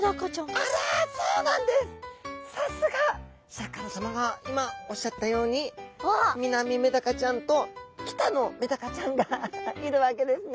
シャーク香音さまが今おっしゃったようにミナミメダカちゃんとキタノメダカちゃんがいるわけですね。